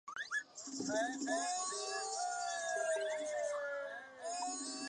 海伦娜区域机场为城市提供服务。